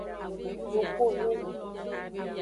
Dukuvi.